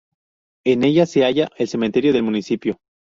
En ella se halla el cementerio del municipio.